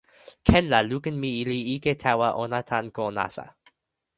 ken la lukin mi li ike tawa ona tan ko nasa.